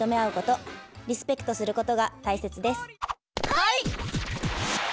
はい！